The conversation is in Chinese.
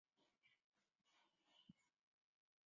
奥利夫镇区为美国堪萨斯州第开特县辖下的镇区。